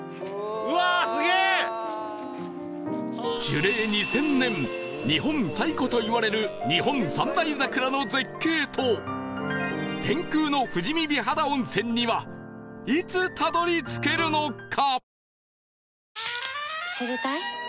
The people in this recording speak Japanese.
樹齢２０００年日本最古といわれる日本三大桜の絶景と天空の富士見美肌温泉にはいつたどり着けるのか？